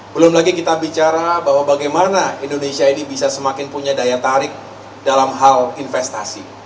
belum lagi kita bicara bahwa bagaimana indonesia ini bisa semakin punya daya tarik dalam hal investasi